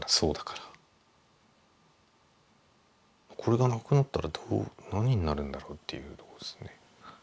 これがなくなったら何になるんだろうっていうとこですね。